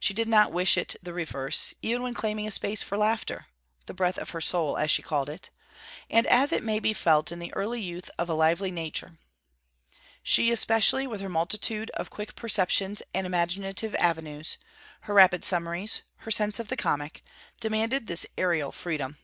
She did not wish it the reverse, even when claiming a space for laughter: 'the breath of her soul,' as she called it, and as it may be felt in the early youth of a lively nature. She, especially, with her multitude of quick perceptions and imaginative avenues, her rapid summaries, her sense of the comic, demanded this aerial freedom.